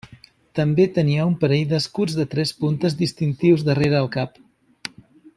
També tenia un parell d'escuts de tres puntes distintius darrere el cap.